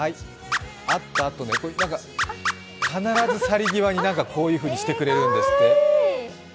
必ず去り際にこういうふうにしてくれるんですって。